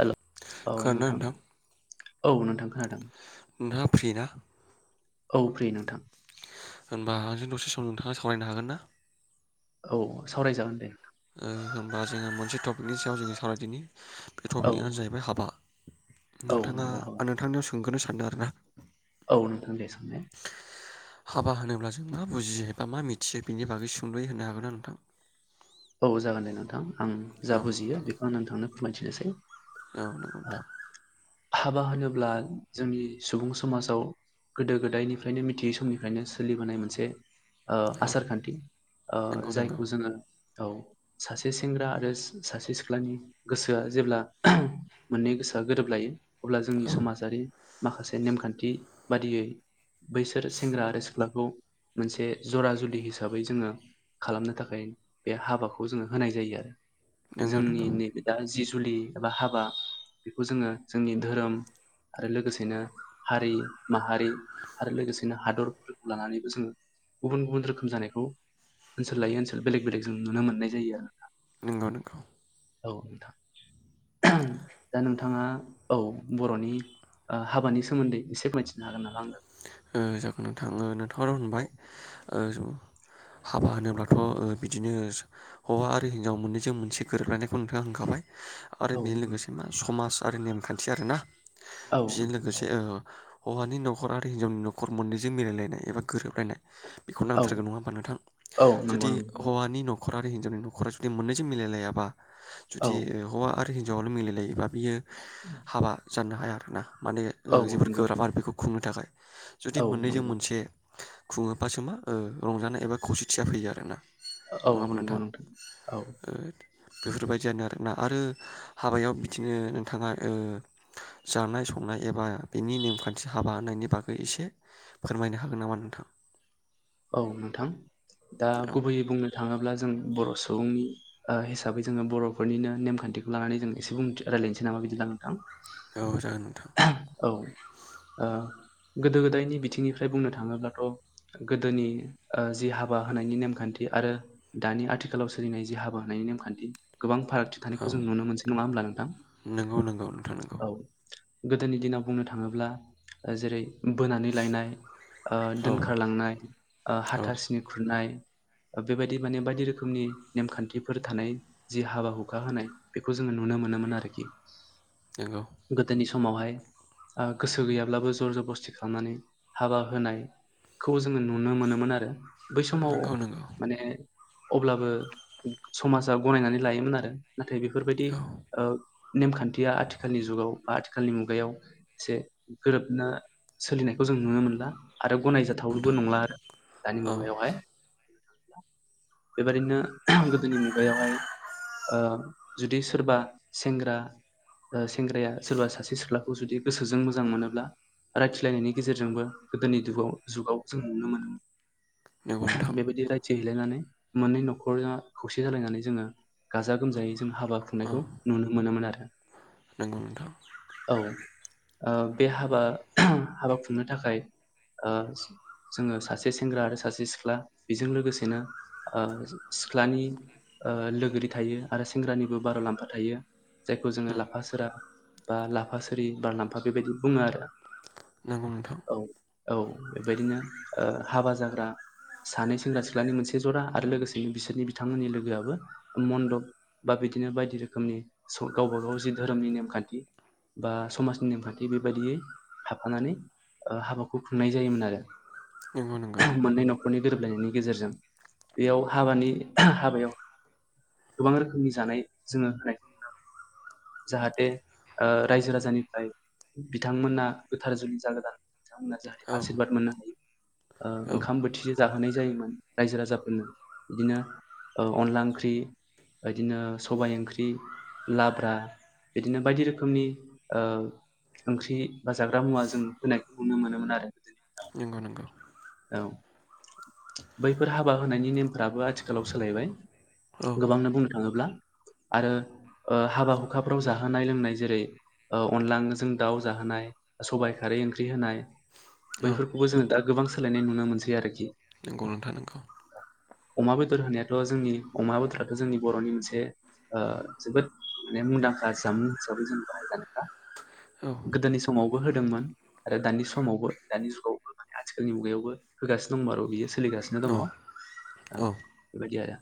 हेल औ नोंथां औ नोंथां। नोंथाङा फ्रि ना औ फ्रि नोंथां। होनबा आंजों दसे सम नोंथाङा सावरायनो हागोन ना? औ सावरायजागोन दे। ओ होनोमबा जोङो मोनसे टपिकनि सायाव जोङो सावरायदिनि बे औ टपिकआनो जाहैबाय हाबा। औ नोंथाङा नंगौ हाबा नोंथांनियाव सोंग्रोनो सानदों आरो ना। औ नोंथां दे सों ने। हाबा होनोब्ला जों मा बुजियो एबा मा मिथियो बेनि बागै सुंदयै होनो हागोन ना नोंथां। [inaudible] औ जागोन दे नोंथां आं जा औ बुजियो बेखौ आं नोंथांनो फोरमायथिनोसै। औ ओ नोंथां। हाबा होनोब्ला जोंनि सुबुं समाजाव गोदो गोदायनिफ्रायनो मिथियै समनिफ्रायनो सोलिबोनाय मोनसे ओ‌ औ आसारखान्थि ओ नंगौ नंगौ जायखौ जोङो औ सासे सेंग्रा आरो सासे सिख्लानि गोसोआ जेब्ला मोननै गोसोआ गोरोब लायो अब्ला जोंनि औ समाजारि माखासे नेमखान्थि बादियै बैसोर सेंग्रा आर सिख्ला खौ मोनसे जरा जुलि हिसाबै जोङो खालामनो थाखाय बे हाबाखौ जोङो होनाय जायो आरो नंगौ नंगौ जोंनि नैबे दा जि जुलि एबा हाबा बेखौ जोङो जोंनि धोरोम आरो लोगोसेनो हारि माहारि आरो लोगोसे बिदिनो हादरफोरखौ लानानैबो जों गुबुन गुबुन रोखोम जानायखौ ओनसोल लायो ओनसोल बेलेग बेलेग जों नुनो मोननाय जायो आरो नंगौ नोंगौ। औ नोंथां। दा नोंथाङा औ बरनि हाबानि सोमोन्दै एसे मिथिनो हागोन नामा आंनो ओ-जागोन नोंथा नोंथाङा र औ होनबाय हाबा होनोब्लाथ बिदिनो हौवा आरो हिनजाव मोननैजों मोनसे गोरोबलायनायखौ नोंथाङा होनखाबाय। आरो औ बेजों लोगोसे मा समाज आरो नेमखान्थि आरोना। औ बेजों नोंथां लोगोसे हौवानि नखरा हिनजावनि नखर मोननैजों मिायलायनाय एबा गोरोबलायनाय। बेखौ औ नांथारगोन नङा होमबा नोंथां औ नंगौ जुदि नंगौ हौवानि नख नखर आरो हिनजावनि नखरा जुदि मोननैसो मिलायलायाबा औ जुदि हौवा आरो हिनजावल मिलायलायोबा बियो हाबा जानो हाया आरो ना माने औ जोबोर नंगौ गोब्राब आरो बेखौ खुंनो थाखाय जुदि औ मोननैजों नंगौ मोनसे खुङोबासो मा रंजानाय एबा खौसेथिया फैयो आरोना औ नङाहोनब्ला नंगौ नोंथां। औ बेफोरबायदियानो आरोना आरो हाबायाव बिदिनो नोंथाङा ओ जानाय संनाय एबा बेनि नेमखान्थि हाबा होननायनि बागै बे एसे फोरमायनो हागोन नामा नोंथां। औ नोंथां दा औ गुबैयै बुंनो थाङोब्ला जों बर सुबुंनि ओ हिसाबै जोङो बरफोरनिनो नेमखान्थिखौ लानानै जों एसे बुं रायज्लायनोसै नामा बिदि नोंथां। औ जागोन नोंथां। औ ओ गोदो गोदायनि बिथिंनिफ्राय बुंनो थाङोब्लाथ गोदोनि ओ जि हाबा होनायनि नेमखान्थि आरो दानि आथिखालाव सोलिनाय जि हाबा होनायनि नेम खान्थि गोबां फारागथि औ थानायखौ जों नुनो मोनसै नङा होमब्ला नोंथां नंगौ नंगौ नोंथां नंगौ औ। गोदोनि दिनाव बुंनो थाङोब्ला जेरै बोनानै लायनाय ओ औ दोनखारलांनाय ओ औ हाथासुनि खुरनाय बेबायदि माने बायदि रोखोमनि नेमखान्थिफोर थानाय जि हाबा हुखा होनाय बेखौ जों नुनो मोनोमोन आरोखि नोंगौ। गोदोनि समावहाय ओ गोसो गैयाब्लाबो जरजबस्थि खालामनानै हाबा होनाय खौ जों- जोङो नुनो मोनोमोन आरो बै समाव नंगौ नंगौ माने अब्लाबो समाजा गनायनानै लायोमोन आरो नाथाय बेफोरबायदि औ ओ नेमखान्थिया आथिखालनि जुगाव खालनि मुगायाव एसे गोरोबना सोलिनायखौ जों नुनो मोनला आरो गनाय जा नोंथां [unintelligible] नंला आरो दानि औ मुगायावहाय। [inaudible] बेबायादिनो गोदोनि मुगायावहाय ओ जुदि सोरबा सेंग्रा। सेंग्राया सोरबा सासे सिख्लाखौ जुदि गोसोजों मोजां मोनोब्ला। रायथिलायनायनि गेजेरजोंबो गोदोनि दुगाव जुगाव जों नुनो मोनोमोन नंगौ नोंथां औ नंगौ नोंथां बेबायदि राय थि हैेलायनानै मोननै नखरा खौसे जालायनानै जोङो गाजा गोमजायै जों हाबा खुंनायखौ नुनो मोनोमोन आरो। नोंगौ नोंथां ओ-बे हाबा हाबा खुंनो थाखाय। ओ-जोङो सासे सेंग्रा आरो सासे सिख्ला बेजों लोगोसेनो ओ सिख्ला नि लोगोरि थायो आरो सेंग्रानिबो बारलाम्फा थायो। जायखौ जोङो उम लाफा सोरा बा लाफा सोरि बारलामफा बेबायदि बुङो आरो। नंगौ नोंथां। औ औ बेबायदिनो ओ हाबा जाग्रा। सानै सेंग्रा सिख्लानि मोनसे जरा आरो लोगोसेनो बिसोरनि बिथांमोननि लोगोआबो मन्दप बा बिदिनो बायदि रोखोमनि स' गावबा गाव जि धोरोमनि नेमखान्थि बा समाजनि नेमखान्थि बेबायदियै थाफानानै ओ हाबाखौ खुंनाय जायोमोन आरो। नोंंगौ नोंगौ मोननै न'खरनि गोरोबलायनायनि गेजेरजों बेयाव हाबानि हाबायाव गोबां रोखोमनि जानाय जोङो होनायखौ नुनो मोनो जाहाथे ओ रायजो राजानिफ्राय बिथांमोना गोथार जुलि जागोदान बिथांमोना जाय औ आशिरबाद मोननो हायो औ ओंखाम बोथिसे जाहोनाय जायोमोन रायजो राजाफोरनो बिदिनो ओ अनला ओंख्रि बायदिनो सबाय ओंख्रि लाब्रा बिदिनो बायदि रोखोमनि ओ ओंख्रि बा जाग्रा मुवा जों होनाय नुनो मोनोमोन आरो नंगौ नंगौ औ बैफोर हाबा होनायनि नेमफ्राबो आथिखालाव सोलायबाय औ गोबांनो बुंनो थाङोब्ला आरो ओ हाबा हुखाफ्राव जाहोनाय लोंनाय जेरै- औ अनलाजों दाउ जाहोनाय सबाइ खारै ओंख्रि होनाय औ बैफोरखौबो जोङो दा गोबां सोलायनाय नुनो मोनसै आरोखि नंगौ नोंथां नंगौ अमा बेदर होनायाथ' जोंनि अमा बेदराथ' जोंनि बर'नि मोनसे ओ जोबोद माने मुंदांखा जामुं हिसाबै जों बाहाय जानाया औ गोदोनि समावबो होदोंमोन आरो दानि समावबो दानि जुगावबो माने आथिखाल जोंनि मुगायावबो होगासिनो दं बियो सोलिगासिनो दङ औ औ बेबायदि आरो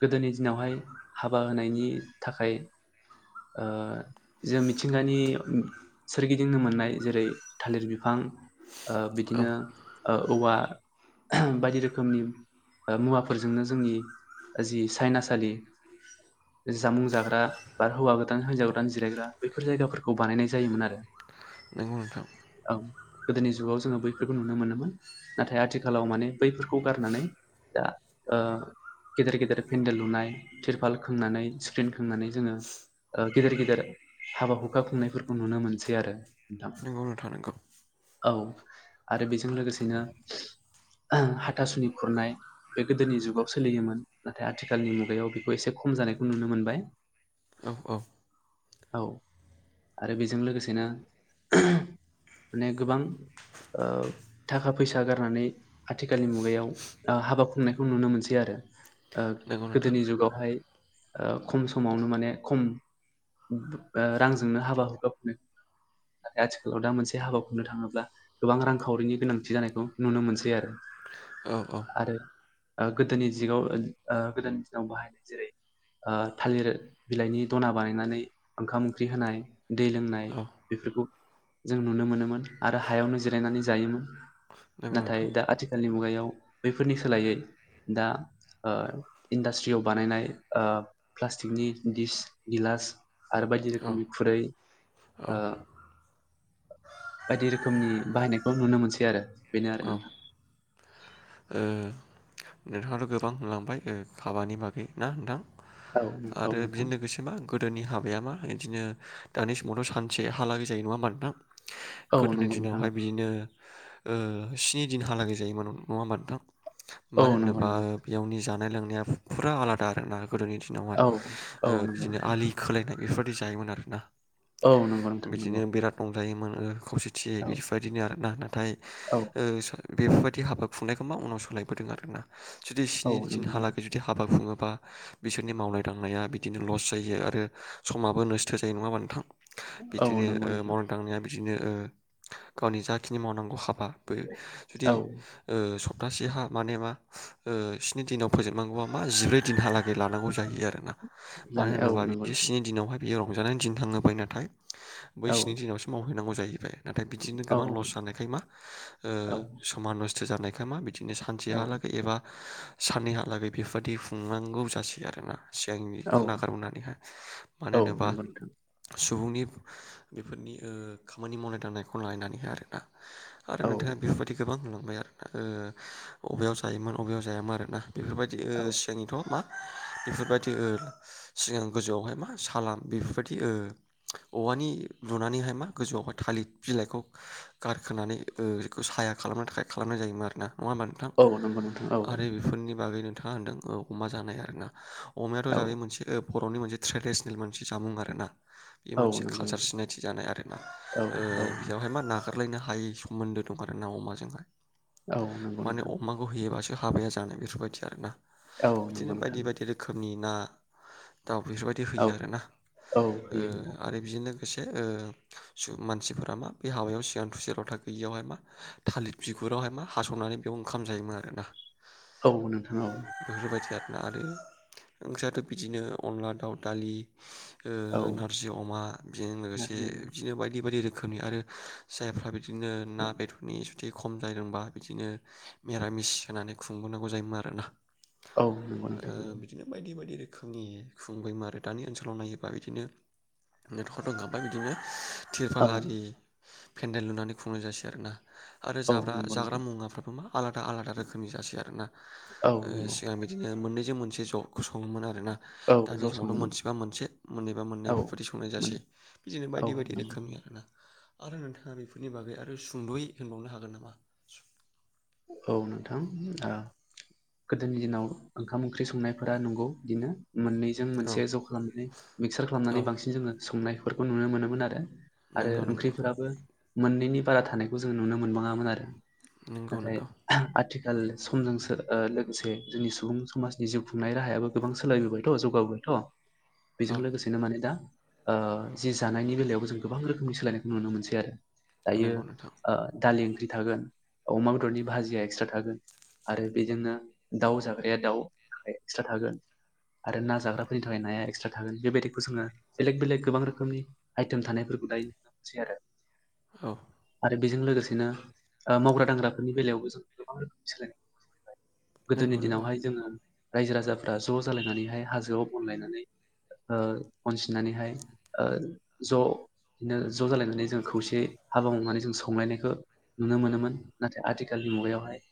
गोदोनि दिनावहाय हाबा होनायनि थाखाय ओ जों मिथिंगानि सोरगिदिंनो मोननाय जेरै- थालिर बिफां ओ औ बिदिनो ओ औवा बायदि रोखोमनि ओ मुवाफोरजोंनो जोंनि जि सायनासालि जामुं जाग्रा बा हौवा गोदान हिन्जाव गोदान जिरायग्रा बेैफोर जायगाफोरखौ बानायनाय जायोमोन आरो। नों औ गोदोनि जुगाव जोङो बैफोरखौ नुनो मोनोमोन नाथाय आथिखालाव माने बैफोरखौ गारनानै दा ओ गेदेर गेदेर पेन्देल लुनाय तिरपाल खोंनानै स्प्रिन्ट खोंनानै जोङो ओ गेदेर गेदेर हाबा हुखा खुंनायफोरखौ नुनो मोनसै आरो नोंगौ नोंथां नोंगौ औ आरो बेजों लोगोसेनो हाथासुनि खुरनाय बे गोदोनि जुगाव सोलियोमोन नाथाय आथिखालनि मुगायाव बेखौ एसे खम जानायखौ नुनो मोनबाय औ औ औ आरो बेजों लोगोसेनो माने गोबां ओ थाखा फैसा गारनानै आथिखालनि मुगायाव ओ हाबा खुंनायखौ नुनो मोनसै आरो। ओ नंगौ नोंथां गोदोनि जुगावहाय ओ खम समावनो माने खम ओ रांजोंनो हाबा [unintelligible] नाथाय आथिखालाव दा मोनसे हाबा खुंनो थाङोब्ला गोबां रांखावरिनि गोनां थि जानायखौ नुनो मोनसै आरो। औ औ आरो ओ गोदोनि दिगाव ओ गोदोनि दिनाव बाहायनाय जेरै ओ थालिर बिलाइनि दना बानायनानै ओंखाम ओंख्रि होनाय दै लोंनाय औ बे फोरखौ जों नुनो मोनोमोन आरो हायावनो जिरायनानै जायोमोन। नंगौ नाथाय नोंथां दा आथिखालनि मुगायाव बैफोरनि सोलायै दा ओ इन्डास्ट्रियाव बानायनाय ओ प्लास्टिक नि दिस गिलास आरो बायदि औ रोखोमनि खुरै औ ओ बायदि रोखोमनि बाहायनायखौ नुनो मोनसै आरो बेनो नोंथां। ओ नोंथाङाथ' गोबां होनलांबाय ओ हाबानि बागै ना नोंथां। आरो बिजों लोगोसे मा गोदोनि हाबाया मा इदिनो दानि समावथ' सानसे हालागै जायो नङा होमबा नोंथां। औ गोदोनि नोंथां दिनावहाय बिदिनो ओ स्नि दिनहालागै जायोमोन [unintelligible] नङा होनबा नोंथां औ मानो नंगौ होनोबा नोंथां बेयावनि जानाय लोंनाया फुरा आलादा आरो ना। गोदोनि दिनावहाय औ औ ओ नंगौ बिदिनो नंगौ आलि खोलायनाय बेफोरबायदि जायोमोन आरोना। औ नंगौ नोंथां नंगौ। [unintelligible] मोनो खौसेथि औ बेफोरबायदिनो आरोना नाथाय औ ओ बेफोरबायदि हाबा खुंनायखौ मा उनाव सोलायबोदों आरोना जुदि औ स्नि नंगौ नोंथां दिनहालागै जुदि हाबा खुङो बा बिसोरनि मावनाय दांनाया बिदिनो लस जायो आरो समाबो नस्थ' जायो नङा होमबा नोंथां। औ बिदिनो नंगौ ओ नोंथां मावनाय दांनाया बिदिनो ओ गावनि जाथिनि मावनांगौ हाबा बो जुदि औ ओ सप्तासे हा माने मा ओ स्नि दिनाव फोजोबनांगौबा मा जिब्रै दिनहालागै लानांगौ जायो आरोना। मानो लानो औ होनोबा नंगौ बिदि नोंथां स्नि दिनावहाय बियो रंजानायनि दिन थाङोबाय नाथाय बै औ स्नि दिनावसो मावहैनांगौ जाहैबाय। नाथाय बिदिनो औ गोबां लस जानायखाय मा ओ औ समान नस्थ' जानायखाय मा बि दिनो औ सानसेहालागै एबा साननैहालागै बेफोरबादि खुंनांगौ जासै आरोना। सिगां औ इखौ नागारबोनानैहाय मानो औ होनोबा नंगौ नोंथां सुबुंनि बेफोरनि ओ खामानि मावनाय दांनायखौ लायनानैहाय आरोना। आरो औ नोंथाङा बेफोरबादि गोबां नुबाय आरो अबेयाव जायोमोन अबेयाव जायामोन आरोना बेफोरबायदि ओ औ सिगांनिथ' मा बेफोरबादि ओ सिगां गोजौआवहाय मा सालान बेफोरबादि ओ औवानि लुनानैहाय मा गोजौआवहाय थालिर बिलाइखौ गारखोनानै ओ इखौ साया खालामनो थाखाय खालामनाय जायोमोन आरो ना नङा होमबा नोंथां औ नंगौ नोंथां औ आरो बेफोरनि बागैनो था होनदों औ अमा जानाय आरोना अमायाथ' औ जानाय मोनसे ओ बर'नि मोनसे ट्रेडिसनेल मोनसे जामुं आरोना। इ औ मोनसे नंगौ कालचार नोंथां सिनायथि जानाय आरोना औ ओ औ बेयावहाय मा नागार [unintelligible] खारलायनो हायै सोमोन्दो दं आरो ना अमाजोंहाय औ नंगौ माने नोंथां अमाखौ होयोबासो हाबाया जानाय बेफोरबायदि आरोना औ नंगौ बिदिनो नोंथां बायदि- बायदि रोखोमनि ना दाउ बेफोरबायदि औ होयो आरोना औ ओ होयो नोंथां आरो बिदिनो से ओ मानसिफोरा मा बे हावायाव सिगां थुसे लथा गैयियावहाय मा थालिर बिगुरावहाय मा हास'नानै बेयाव ओंखाम जायोमोन आरोना। औ नोंथां औ। बेफोरबायदि आरो ओंख्रियाथ' बिदिनो अनला दाउ दालि। ओ औ नारजि अमा बेजों लोगोसे नारजि अमा बिदिनो बायदि बायदि रो रोखोमनि आरो जायफ्रा बिदिनो ना बेदरनि बिदि खम ज जादोंबा बिदिनो मिरामिस होनानै खुंबोनांगौ जायोमोन आरोना। औ नोंगौ नोंथां। जोंनि खुंगैमोन आरो दानि ओनसोलाव नायोबा बिदिनो नेथकराथ' गाबबाय बिदिनो। तिरफाल औ आरि फेन्देल लुनानै खुंनाय जासै आरोना। आरो औ जाग्रा नंगौ जाग्रा नोंथां मुवाफ्राबो मा आलादा आलादा रोखोमनि जासै आरोना। औ ओ नंगौ सिगां बिदिनो मोननैजों मोनसे ज' सङोमोन आरोना। औ दानि ज' समावथ' सङोमोन मोनसेबा मोनसे मोननैबा मोननै औ बेफोरबायदि संनाय मोन जासै बिदिनो औ बायदि बायदि नंगौ रोखोमनि होना आरो नोंथाङा बेफोरनि बागै आरो सुंद'यै होनबावनो हागोन नामा औ नोंथां आ गोदोनि दिनाव ओंखाम ओंख्रि संनायफोरा नंगौ बिदिनो। मोननैजों औ मोनसे ज' खालामनानै मिक्सार औ खालामनानै बांसिन जोङो संनायफोरखौ नुनो मोनोमोन आरो। आरो नंगौ नंगौ ओंख्रिफोराबो मोननैनि बारा थानायखौ जों नुनो मोनबाङामोन आरो। नंगौ नाथाय नंगौ आथि खाल समजोंसो सोल लोगोसे जोंनि सुबुं समाजनि जिउ खुंनाय राहायाबो गोबां सोलायबोबायथ' जौगाबोबायथ'। औ बेजों लोगोसेनो माने दा ओ जि जानायनि बेलायावबो जों गोबां रोखोमनि सोलायनायखौ नुनो मोनसै आरो। दायो नंगौ नोंथां ओ दालि ओंख्रि थागोन अमा बेदरनि भाजिया एक्सट्रा थागोन। आरो बेजोंनो दाउ जाग्राया दाउ एक्सट्रा थागोन। आरो ना जाग्राफोरनि थाखाय नाया एक्सट्रा थागोन बेबायदिखौ जोङो बेलेक बेलेग गोबां रोखोमनि आइटेम थानायफोरखौ दायो नुनो मोनसै आरो। औ। दा बेजों लोगोसेनोओ मावग्रा दांग्राफोरनि बेलायावबो जों गोबां रोखोमनि सोलायनाय नुनो मोनबाय गोदोनि नंगौ नंगौ दिनावहाय जोङो रायजो राजाफ्रा ज' जालायनानैहाय हाजोआव बनलायनानै ओ बन सिननानैहाय ज' बिदिनो ज' जालायनानै जों खौसे हाबा मावनानै जों संलायनायखौ नुनो औ मोनोमोन नाथाय आथिखालनि मुगायावहाय